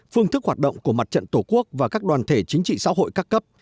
phương thức hoạt động của mặt trận tổ quốc và các đoàn thể chính trị xã hội các cấp